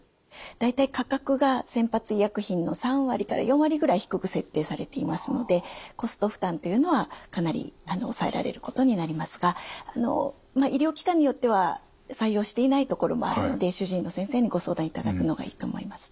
大体価格が先発医薬品の３割から４割ぐらい低く設定されていますのでコスト負担というのはかなり抑えられることになりますが医療機関によっては採用していないところもあるので主治医の先生にご相談いただくのがいいと思います。